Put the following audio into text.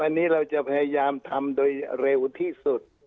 อันนี้เราจะพยายามทำโดยเร็วที่สุด